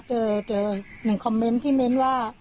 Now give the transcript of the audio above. เจอหนึ่งคอมเมนต์ที่เม้นว่า